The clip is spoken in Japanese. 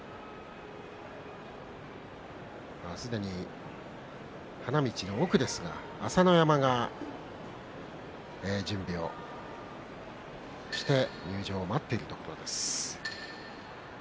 すでに、花道の奥ですが朝乃山が準備をして入場を待っているところです。